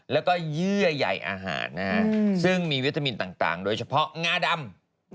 แล้วก็เยื่อใหญ่อาหารซึ่งมีวิตามินต่างโดยเฉพาะงาดำ